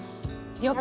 了解。